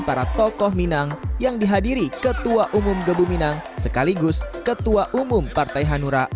para tokoh minang yang dihadiri ketua umum gebu minang sekaligus ketua umum partai hanura